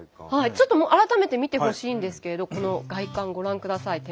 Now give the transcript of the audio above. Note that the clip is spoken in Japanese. ちょっと改めて見てほしいんですけれどこの外観ご覧ください店舗の。